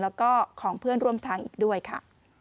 แล้วก็ของเพื่อนร่วมทางอีกด้วยค่ะ